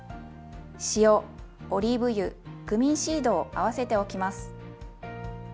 塩オリーブ油クミンシードを合わせておきます。